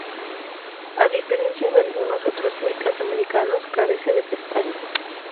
A diferencia de algunos otros buitres americanos, carece de pestañas.